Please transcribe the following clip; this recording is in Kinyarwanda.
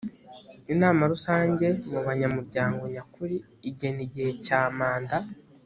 inama rusange mu banyamuryango nyakuri igena igihe cya manda